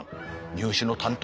入試の担当